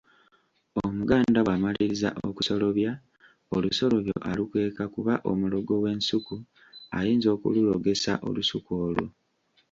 Omuganda bw'amaliriza okusolobya olusolobyo alukweka kuba omulogo w'ensuku ayinza okululogesa olusuku lwo.